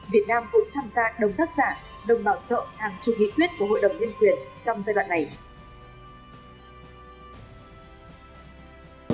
việt nam cũng tham gia đồng tác giả đồng bảo trợ hàng chục nghị quyết của hội đồng nhân quyền trong giai đoạn này